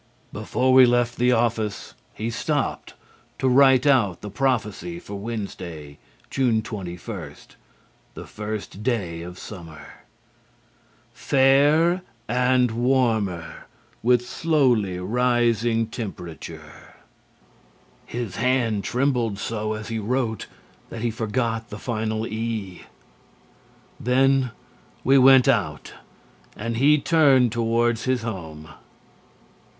Before we left the office he stopped to write out the prophecy for Wednesday, June 21, the First Day of Summer. "Fair and warmer, with slowly rising temperatur." His hand trembled so as he wrote that he forgot the final "e". Then we went out and he turned toward his home.